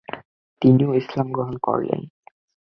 তিনিও ইসলাম গ্রহণ করলেন।